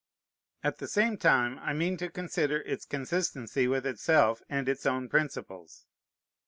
At the same time I mean to consider its consistency with itself and its own principles.